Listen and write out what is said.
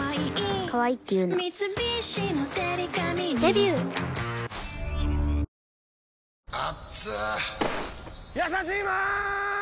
「ビオレ」やさしいマーン！！